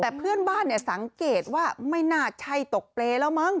แต่เพื่อนบ้านสังเกตว่าไม่น่าใช่ตกเปรย์แล้วมั้ง